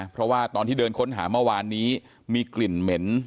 เพราะว่าตอนที่เดินค้นหาเมื่อวานนี้มีกลิ่นเหม็น